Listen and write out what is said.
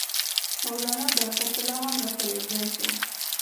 مولنا برکت الله هم راسره یو ځای شو.